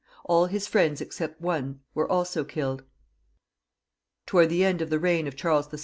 All his friends except one were also killed. Towards the end of the reign of Charles VI.